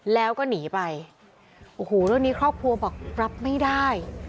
แล้วก็หนีไปโอ้โหเรื่องนี้ครอบครัวบอกรับไม่ได้